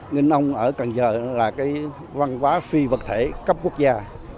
nghênh nông ở cần giờ là cái văn hóa phi vật thể cấp quốc gia